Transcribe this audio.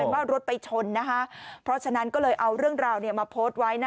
ว่ารถไปชนนะคะเพราะฉะนั้นก็เลยเอาเรื่องราวมาโพสต์ไว้